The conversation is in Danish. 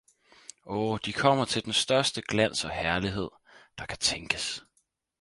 Oh, de kommer til den største glans og herlighed, der kan tænkes!